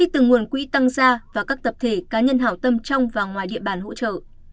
từ nguồn quỹ tăng gia và các tập thể cá nhân hảo tâm trong và ngoài địa bàn hỗ trợ